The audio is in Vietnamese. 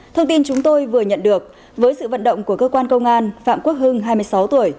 thông tin chúng tôi vừa nhận được với sự vận động của cơ quan công an phạm quốc hưng hai mươi sáu tuổi